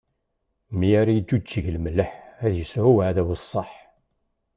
Mi ara iǧǧuǧeg lemleḥ, ad isɛu uɛdaw ṣṣeḥ.